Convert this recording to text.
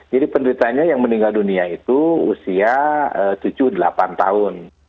jadi penderitanya yang meninggal dunia itu usia tujuh delapan tahun